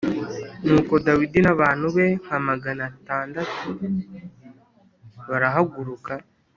Nuko Dawidi n’abantu be nka magana atandatu barahaguruka